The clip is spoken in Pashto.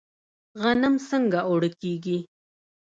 غنم څنګه اوړه کیږي؟